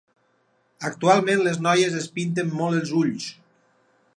Actualment les noies es pinten molt els ulls.